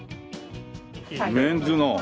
メンズの。